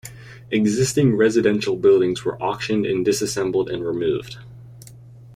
Existing residential buildings were auctioned and disassembled and removed.